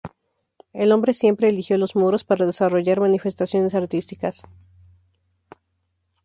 El hombre siempre eligió los muros para desarrollar manifestaciones artísticas.